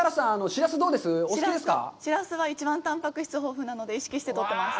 しらすは一番たんぱく質が豊富なので、意識して取ってます。